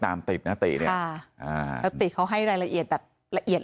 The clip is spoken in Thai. ติดนะติเนี่ยแล้วติเขาให้รายละเอียดแบบละเอียด